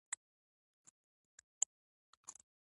هغه انګلیسیانو ګورنر ته اطلاع ورکړه.